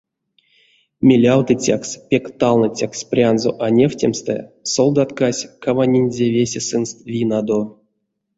Мелявтыцякс, пек талныцякс прянзо а невтемстэ, солдаткась каванинзе весе сынст винадо.